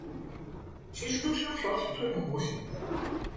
其實都是用小尺寸的模型的